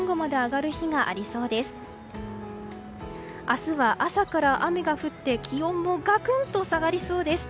明日は朝から雨が降って気温もがくんと下がりそうです。